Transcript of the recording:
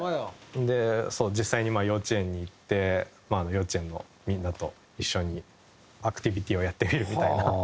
で実際にまあ幼稚園に行って幼稚園のみんなと一緒にアクティビティーをやってみるみたいな。